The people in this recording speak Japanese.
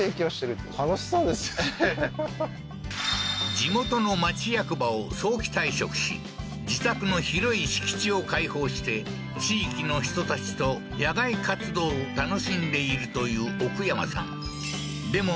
地元の町役場を早期退職し自宅の広い敷地を開放して地域の人たちと野外活動を楽しんでいるという奥山さんでも